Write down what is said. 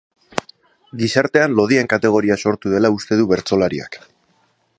Gizartean lodien kategoria sortu dela uste du bertsolariak.